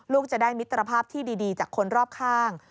ลูกจะได้มิตรภาพที่ดีจากคนรอบข้าง